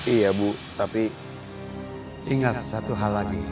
iya bu tapi ingat satu hal lagi